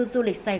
du lịch sài gòn